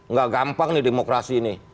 nggak gampang nih demokrasi ini